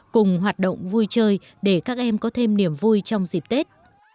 cùng hoạt động vui chơi để các em có thêm niềm vui trong dịp tết